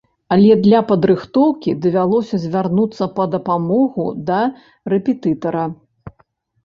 Але для падрыхтоўкі давялося звярнуцца па дапамогу да рэпетытара.